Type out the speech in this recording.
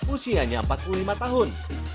usianya empat puluh lima tahun